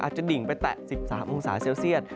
จะดิ่งไปแตะ๑๓องศาเซลเซียต